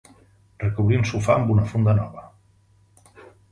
Recobrir un sofà amb una funda nova.